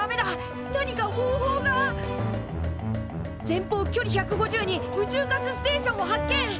前方距離１５０に宇宙ガスステーションを発見！